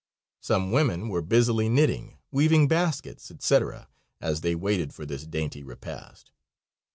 Some women were busily knitting, weaving baskets, etc., as they waited for this dainty repast.